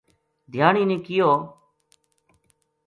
دھیانی نے کہیو